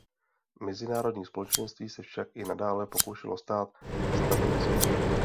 Mezinárodní společenství se však i nadále pokoušelo stát stabilizovat.